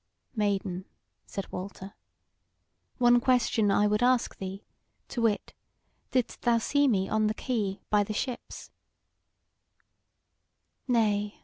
"Maiden," said Walter, "one question I would ask thee; to wit, didst thou see me on the quay by the ships?"